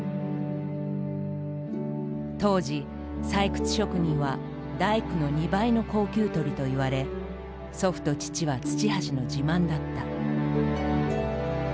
当時採掘職人は大工の２倍の高給取りといわれ祖父と父は土橋の自慢だった。